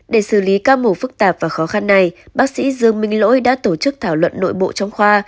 để xử lý ca mổ phức tạp và khó khăn này bác sĩ dương minh lỗi đã tổ chức thảo luận nội bộ trong khoa